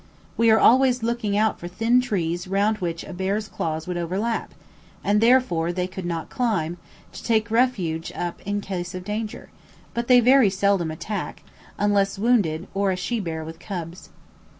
We are always looking out for thin trees round which a bear's claws would overlap, and therefore they could not climb, to take refuge up in case of danger; but they very seldom attack, unless wounded or a she bear with cubs.